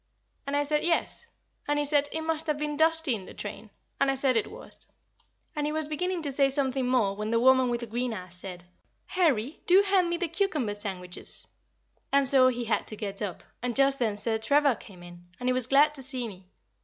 And I said, "Yes." And he said, "It must have been dusty in the train," and I said it was and he was beginning to say something more, when the woman with the green eyes said, "Harry, do hand me the cucumber sandwiches," and so he had to get up, and just then Sir Trevor came in, and he was glad to see me.